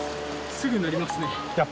すぐ鳴りますね。